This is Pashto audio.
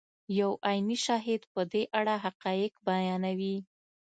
یو عیني شاهد په دې اړه حقایق بیانوي.